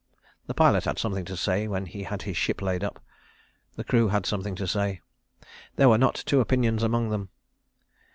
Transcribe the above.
The pilot had something to say when he had his ship laid up; the crew had something to say. There were not two opinions among them.